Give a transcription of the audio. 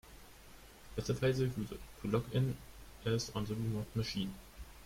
Specify the user to log in as on the remote machine.